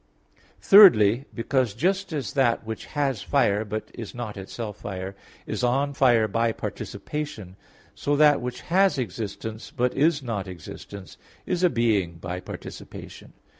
Thirdly, because, just as that which has fire, but is not itself fire, is on fire by participation; so that which has existence but is not existence, is a being by participation.